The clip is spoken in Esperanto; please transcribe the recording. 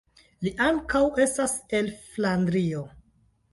Li ankaŭ estas el Flandrio.